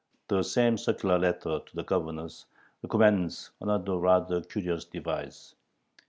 The same circular letter to the Governors recommends another rather curious device.